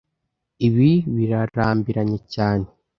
Ibi birarambiranye cyane